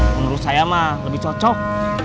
menurut saya mah lebih cocok